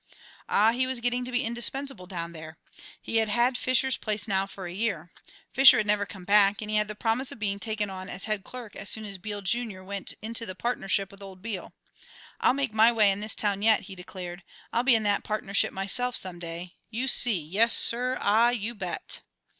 Ah, he was getting to be indispensable down there. He had had Fischer's place now for a year. Fischer had never come back, and he had the promise of being taken on as head clerk as soon as Beale Jr. went into the partnership with old Beale. "I'll make my way in this town yet," he declared. "I'll be in that partnership myself some day. You see; yes, sir; ah, you bet!"